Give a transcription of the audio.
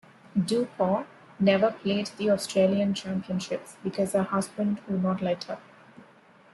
DuPont never played the Australian Championships because her husband would not let her.